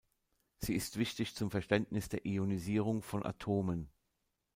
Sie ist wichtig zum Verständnis der Ionisierung von Atomen.